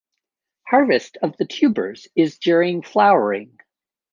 Harvest of the tubers is during flowering.